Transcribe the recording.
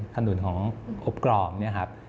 ขนุนของอบกรอบ